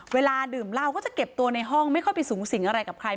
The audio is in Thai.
เวลาดื่มเหล้าก็จะเก็บตัวในห้องไม่ค่อยไปสูงสิงอะไรกับใคร